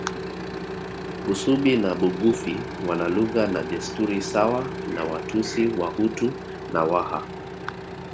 Busubi na Bugufi wana lugha na desturi sawa na Watusi Wahutu na Waha